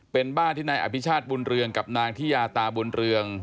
เป็นบ้านที่นายอภิชาติบุญเรืองกับนางทิยาตาบุญเรือง